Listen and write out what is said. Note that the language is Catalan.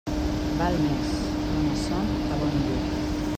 Val més bona son que bon llit.